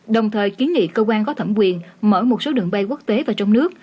đồng thời kiến nghị cơ quan có thẩm quyền mở một số đường bay quốc tế và trong nước